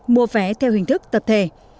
mua vé theo hình thức tập thể